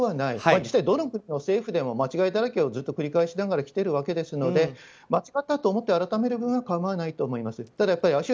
実際、どの国の政府でも間違いだらけをずっとくり返しながら来てるわけなので間違ったと思って改める分には構わないと思います。